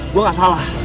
gue enggak salah